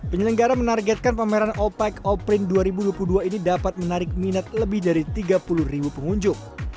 penyenggara menargetkan pameran all pack all print dua ribu dua puluh dua ini dapat menarik minat lebih dari tiga puluh ribu pengunjung